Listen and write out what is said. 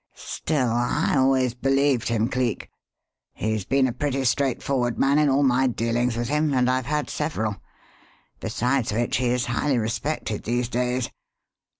"Still, I always believed him, Cleek. He's been a pretty straightforward man in all my dealings with him, and I've had several. Besides which, he is highly respected these days.